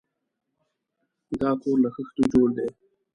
دا کور له خښتو جوړ دی.